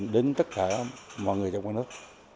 đến tất cả mọi người trong quán nước